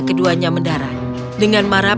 keduanya mendarat dengan marah